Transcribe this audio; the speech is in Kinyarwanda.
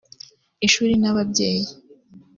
Ishuri n’ababyeyi